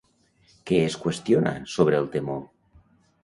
Què es qüestiona sobre el temor?